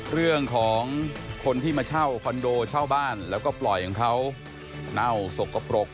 เรื่องของคนที่มาเช่าคอนโดเช่าบ้านแล้วก็ปล่อยของเขาเน่าสกปรก